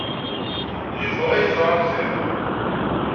D Yuba ay yeẓran xir.